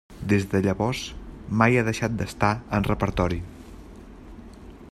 Des de llavors mai ha deixat d'estar en repertori.